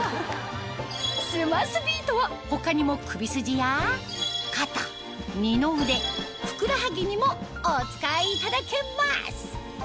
スマスビートは他にも首筋や肩二の腕ふくらはぎにもお使いいただけます